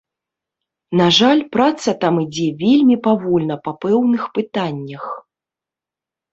На жаль, праца там ідзе вельмі павольна па пэўных пытаннях.